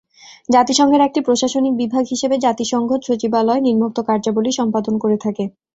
জাতিসংঘের একটি প্রশাসনিক বিভাগ হিসেবে জাতিসংঘ সচিবালয় নিম্নোক্ত কার্যাবলী সম্পাদন করে থাকে।